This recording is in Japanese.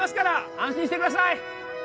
安心してください